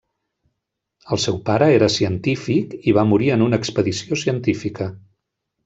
El seu pare era científic, i va morir en una expedició científica.